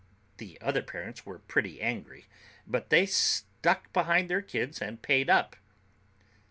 The other parents were pretty angry, but they stuck behind their kids and paid up.